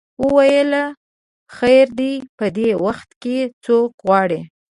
وویل خیر دی په دې وخت کې څوک غواړې.